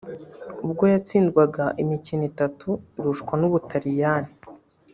ubwo yatsindwaga imikino itatu irushwa n’Ubutaliyani